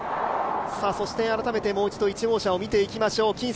改めてもう一度、１号車を見ていきましょう。